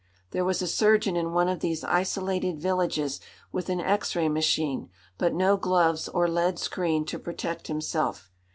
There was a surgeon in one of these isolated villages, with an X ray machine but no gloves or lead screen to protect himself.